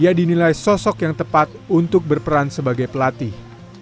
ia dinilai sosok yang tepat untuk berperan sebagai pelatih